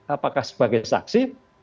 apakah sebagai saksi